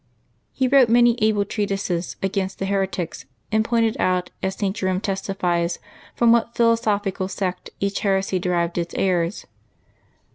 He wrote many able treatises against the heretics, and pointed out, as St. Jerome testities, from what philosophical sect each heresy derived its errors.